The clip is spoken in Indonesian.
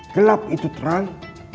gelap itu terang